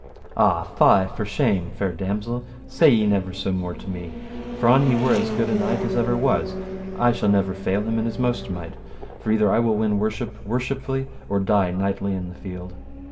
Ah, fie for shame, fair damosel, say ye never so more to me; for, an he were as good a knight as ever was, I shall never fail him in his most might, for either I will win worship worshipfully, or die knightly in the field.